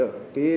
đối tượng khai là